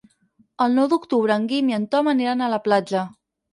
El nou d'octubre en Guim i en Tom aniran a la platja.